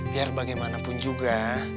biar bagaimanapun juga